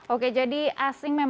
oke jadi asing memang